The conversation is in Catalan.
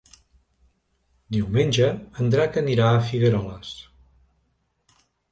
Diumenge en Drac anirà a Figueroles.